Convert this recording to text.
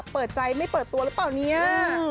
เปิดใจไม่เปิดตัวหรือเปล่าเนี่ย